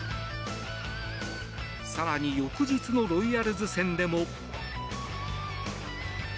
更に、翌日のロイヤルズ戦でも。